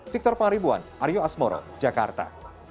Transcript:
victor pangaribuan aryo asmoro jakarta